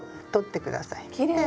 きれい！